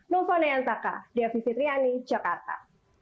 nelfon nayan saka devy fitriani jakarta